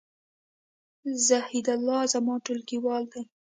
زاهیدالله زما ټولګیوال دی